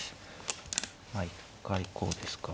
まあ一回こうですか。